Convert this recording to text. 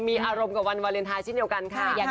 มีอารมณ์กับวันวาเลนไทยเช่นเดียวกันค่ะ